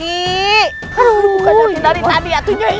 aduh bukannya dari tadi nyai